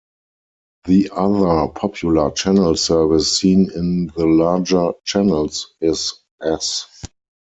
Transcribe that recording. The other popular channel service seen in the larger channels is 'S'.